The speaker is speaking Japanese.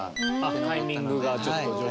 タイミングがちょっと徐々にね。